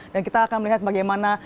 dan kita akan melihat bagaimana